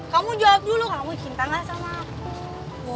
kamu jawab dulu kamu cinta gak sama